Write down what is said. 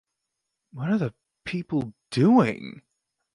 What are the people doing?